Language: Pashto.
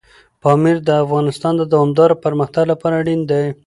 پامیر د افغانستان د دوامداره پرمختګ لپاره اړین دی.